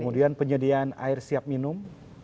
kemudian penyediaan air siap minum